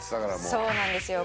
「そうなんですよ。